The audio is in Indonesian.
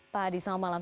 pak hadi selamat malam